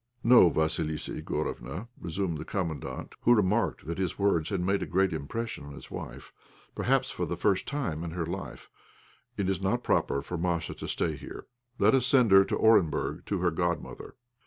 "No, Vassilissa Igorofna," resumed the Commandant, who remarked that his words had made a great impression on his wife, perhaps for the first time in her life; "it is not proper for Masha to stay here. Let us send her to Orenburg to her godmother.